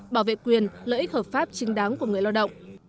bảo vệ quyền lợi ích hợp pháp chính đáng của người lao động